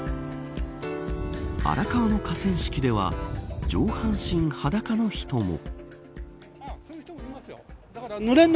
荒川の河川敷では上半身、裸の人も。